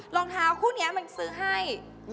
รองเท้าคู่นี้มันซื้อให้